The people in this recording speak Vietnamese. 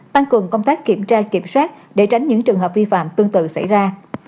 tăng cường công tác kiểm tra kiểm soát để tránh những trường hợp vi phạm tương tự xảy ra